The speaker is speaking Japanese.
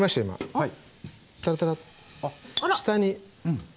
はい。